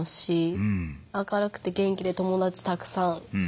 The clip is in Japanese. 明るくて元気で友達たくさん。